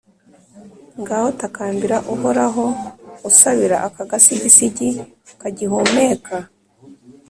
Ngaho takambira Uhoraho, usabira aka gasigisigi kagihumeka!»